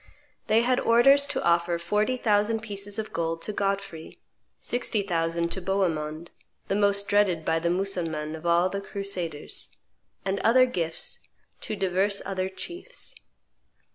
They had orders to offer forty thousand pieces of gold to Godfrey, sixty thousand to Bohemond, the most dreaded by the Mussulmans of all the crusaders, and other gifts to divers other chiefs.